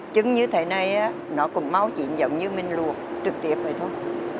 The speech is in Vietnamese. trứng như thế này nó cũng máu trịn giống như mình luộc trực tiếp vậy thôi